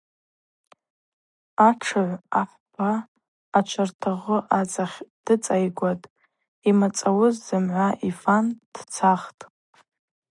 Атшыгӏв ахӏпа ачвартагъвы ацӏахь дыцӏайгватӏ, ймацӏауыз зымгӏва йфан дцахтӏ.